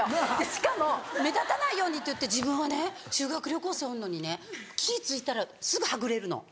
しかも「目立たないように」って言って自分はね修学旅行生おんのにね気ぃ付いたらすぐはぐれるの。